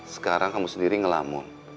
sekarang kamu sendiri ngelamun